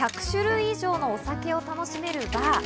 １００種類以上のお酒を楽しめるバー。